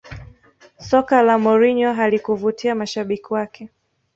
Soka la Mourinho halikuvutia mashabiki wake